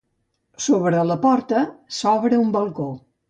Sobre la porta s'obre un balcó.